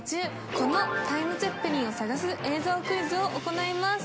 このタイムツェッペリンを探す映像クイズを行います。